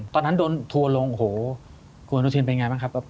ตอนนั้นโดนทัวร์ลงโอ้โหคุณอนุทินเป็นไงบ้างครับ